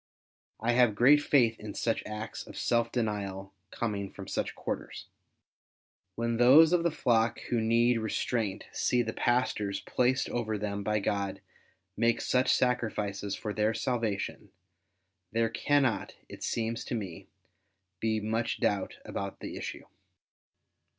I have great faith in such acts of self denial coming from such quarters. When those of the flock who need restraint see the pastors placed over them by God make such sacrifices for their salvation, there cannot, it seems to me, be much doubt about the issue.